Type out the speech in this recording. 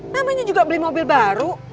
namanya juga beli mobil baru